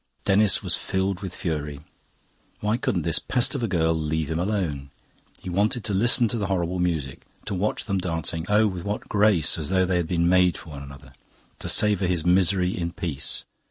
Denis was filled with fury. Why couldn't this pest of a girl leave him alone? He wanted to listen to the horrible music, to watch them dancing oh, with what grace, as though they had been made for one another! to savour his misery in peace.